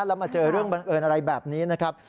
แล้วมาเจอเรื่องบังเอิญอะไรแบบนี้นะครับ